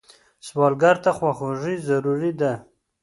سوالګر ته خواخوږي ضروري ده